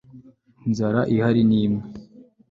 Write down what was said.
inzara ihari ni imwe